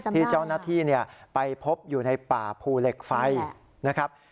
ที่เจ้าหน้าที่ไปพบอยู่ในป่าภูเหล็กไฟนะครับ